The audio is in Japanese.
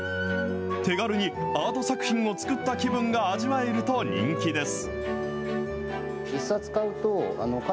手軽にアート作品を作った気分が味わえると人気です。